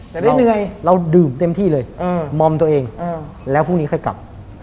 แต่ได้เหนื่อยเราดื่มเต็มที่เลยมอมตัวเองแล้วพรุ่งนี้ค่อยกลับ